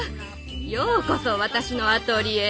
ようこそ私のアトリエへ。